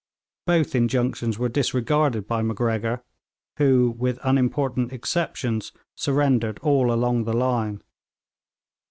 Both injunctions were disregarded by Macgregor, who, with unimportant exceptions, surrendered all along the line.